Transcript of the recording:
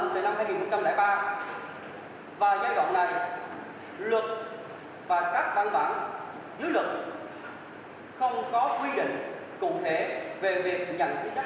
các đồng sản cũng hoàn toàn không có quy định đầu cấm việc nhận chấp đẩm